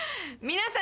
皆さん